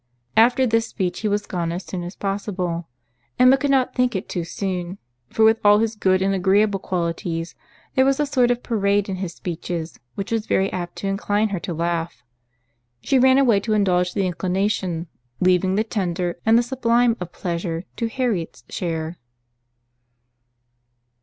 After this speech he was gone as soon as possible. Emma could not think it too soon; for with all his good and agreeable qualities, there was a sort of parade in his speeches which was very apt to incline her to laugh. She ran away to indulge the inclination, leaving the tender and the sublime of pleasure to Harriet's share.